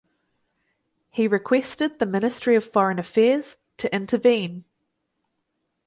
He requested the Ministry of Foreign Affairs to intervene.